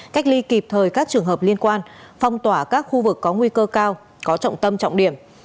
cách ly kịp thời các trường hợp liên quan phong tỏa các khu vực có nguy cơ cao có trọng tâm trọng điểm